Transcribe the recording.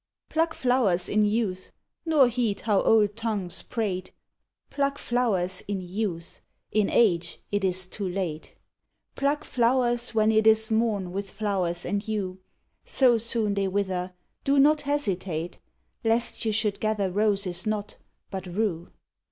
Pluck flowers in youth, nor heed how old tongues prate; Pluck flowers in youth, in age it is too late; Pluck flowers when it is morn with flowers and you. So soon they wither, do not hesitate, Lest you should gather roses not, but rue.